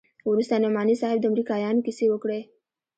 وروسته نعماني صاحب د امريکايانو کيسې وکړې.